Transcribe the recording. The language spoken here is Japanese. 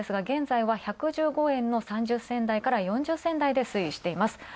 現在は、１１５円の３０銭台から４０銭台で推移しています。